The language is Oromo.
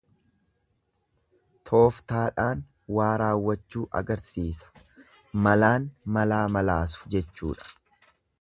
Tooftaadhaan waa raawwachuu agarsiisa, malaan malaa malaasu jechuudha.